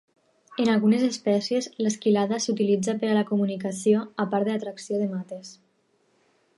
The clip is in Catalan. En algunes espècies, l'esquilada s'utilitza per a la comunicació a part de l'atracció de mates.